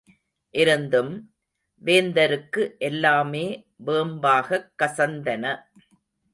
இருந்தும், வேந்தருக்கு எல்லாமே வேம்பாகக் கசந்தன.